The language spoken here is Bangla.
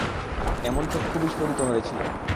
এমনকি চক্ষু বিস্ফারিত হয়েছিল।